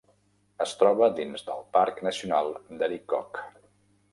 Es troba dins del Parc Nacional de Arikok.